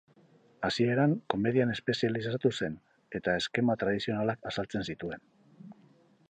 Hasieran, komedian espezializatu zen, eta eskema tradizionalak azaltzen zituen.